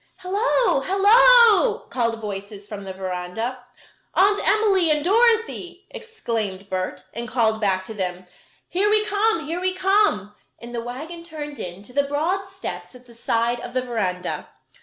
"Hello! Hello!" called voices from the veranda. "Aunt Emily and Dorothy!" exclaimed Bert, and called back to them: "Here we come! Here we are!" and the wagon turned in to the broad steps at the side of the veranda.